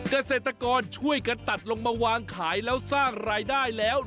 เกษตรกรช่วยกันตัดลงมาวางขายแล้วสร้างรายได้แล้ว